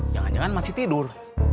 jangan jangan masih tidur